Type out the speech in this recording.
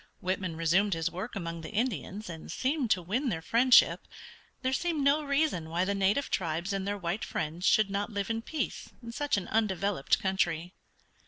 Whitman resumed his work among the Indians, and seemed to win their friendship. There seemed no reason why the native tribes and their white friends should not live in peace in such an undeveloped country.